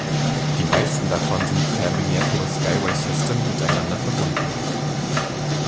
Die meisten davon sind per "Minneapolis Skyway System" miteinander verbunden.